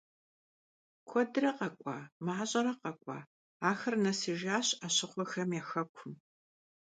Kuedre khek'ua, maş'ere khek'ua, axer nesıjjaş 'eşıxhuexem ya xekum.